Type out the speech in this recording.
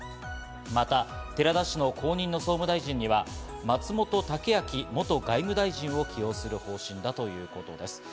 また寺田氏の後任の総務大臣には松本剛明元外務大臣を起用する方針だということです。